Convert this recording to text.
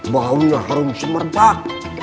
baunya harum semerbak